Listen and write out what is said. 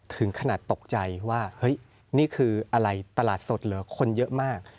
ถึงขนาดตกใจว่าเฮ้ยนี่คืออะไรตลาดสดเหรอคนเยอะมาก